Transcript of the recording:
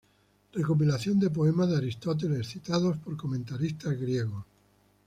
Recopilación de poemas de Aristóteles citados por comentaristas griegos.